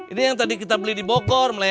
ini yang tadi kita beli di bogor